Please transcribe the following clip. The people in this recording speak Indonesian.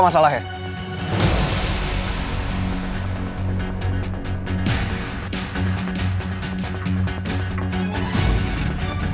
lo gak mau berantem disini